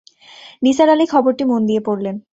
নিসার আলি খবরটি মন দিয়ে পড়লেন।